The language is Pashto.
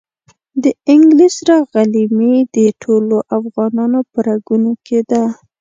د انګلیس سره غلیمي د ټولو افغانانو په رګونو کې ده.